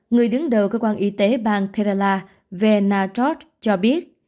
người đứng đầu cơ quan y tế bang kerala veena trot cho biết